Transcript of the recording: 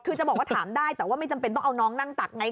คือจะบอกว่าถามได้แต่ว่าไม่จำเป็นต้องเอาน้องนั่งตักไง